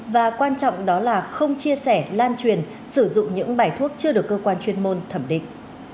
và quan trọng đó là không chia sẻ lan truyền sử dụng những bài thuốc chưa được cơ quan chuyên môn thẩm định